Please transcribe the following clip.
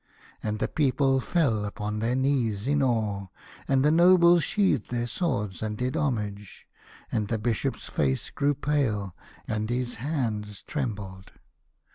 And the people fell upon their knees in awe, and the nobles sheathed their swords and did homage, and the Bishop's face grew pale, and his hands trembled.